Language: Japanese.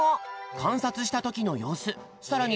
かんさつしたときのようすさらに